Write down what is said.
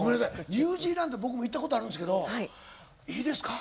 ニュージーランド僕も行ったことあるんですけどいいですか？